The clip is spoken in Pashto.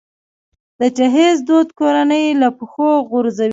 د جهیز دود کورنۍ له پښو غورځوي.